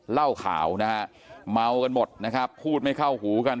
เหล้าขาวนะฮะเมากันหมดนะครับพูดไม่เข้าหูกัน